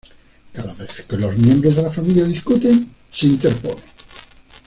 Cada vez que los miembros de la familia discuten, se interpone.